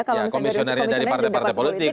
ya komisionernya dari partai partai politik